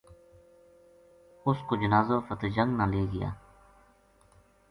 اُس کو جنازو فتح جنگ لے گیا